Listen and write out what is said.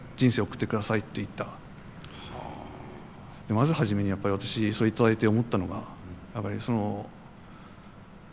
まず初めにやっぱり私それ頂いて思ったのがやはりそのうん。